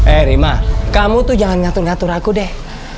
eh rima kamu tuh jangan ngatur ngatur aku deh